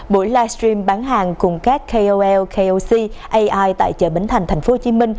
buổi live stream bán hàng cùng các kol koc ai tại chợ bến thành tp hcm